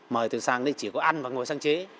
mời tôi sang đây chỉ có ăn và ngồi sáng chế